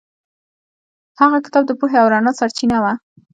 هغه کتاب د پوهې او رڼا سرچینه وه.